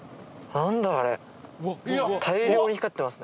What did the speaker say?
何だあれ？